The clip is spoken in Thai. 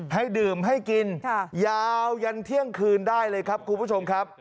ให้ดื่มให้กินยาวยันเที่ยงคืนได้เลยครับคุณผู้ชมครับ